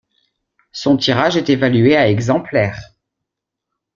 Son tirage est évalué à exemplaires.